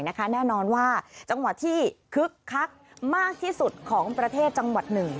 แน่นอนว่าจังหวัดที่คึกคักมากที่สุดของประเทศจังหวัดหนึ่ง